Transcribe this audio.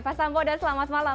pak sambodo selamat malam